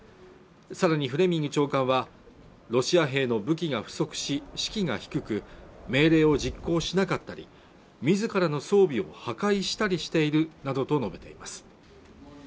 さらにフレミング長官はロシア兵の武器が不足し士気が低く命令を実行しなかったり自らの装備を破壊したりしているなどと述べています